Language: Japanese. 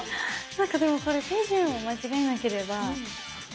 何かでもこれ手順を間違えなければいけますね。